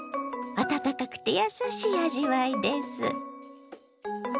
温かくてやさしい味わいです。